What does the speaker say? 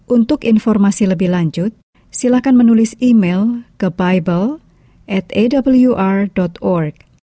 untuk informasi lebih lanjut silahkan menulis email ke bible atawr org